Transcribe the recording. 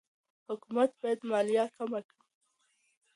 حکومت باید مالیه کمه کړي.